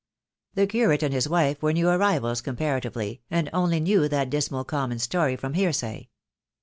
The curate and his wife were new arrivals com paratively, and only knew that dismal common story from hearsay.